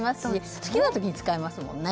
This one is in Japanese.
好きな時に使えますものね。